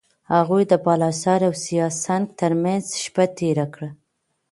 هغوی د بالاحصار او سیاه سنگ ترمنځ شپه تېره کړه.